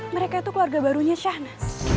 mereka itu keluarga barunya syahnas